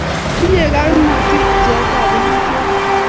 tinyei kaimutik pcheetab bolutik